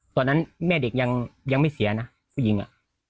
ตอนนั้นแม่เด็กยังไม่เสียนะผู้หญิงอ่ะ